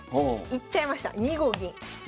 いっちゃいました２五銀。